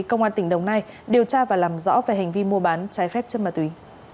công an tỉnh đồng nai điều tra và làm rõ về hành vi mua bán trái phép chất ma túy